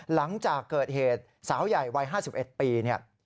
หลังจากเกิดเหตุสาวใหญ่วัย๕๑ปีเนี่ย